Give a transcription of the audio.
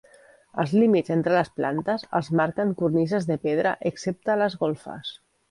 Els límits entre les plantes els marquen cornises de pedra excepte a les golfes.